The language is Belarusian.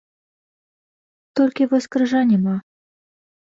Толькі вось крыжа няма.